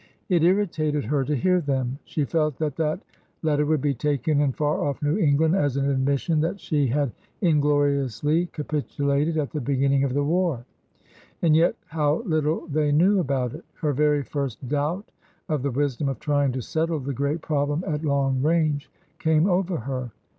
It irritated her to hear them. She felt that that letter would be taken in far off New England as an admission that she had in THE LOOM HOUSE ACADEMY 95 gloriously capitulated at the beginning of the war. And yet— how little they knew about it ! Her very first doubt of the wisdom of trying to settle the great problem at long range came over her.